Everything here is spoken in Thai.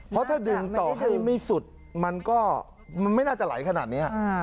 เพราะถ้าดึงต่อให้ไม่สุดมันก็ไม่น่าจะไหลขนาดนี้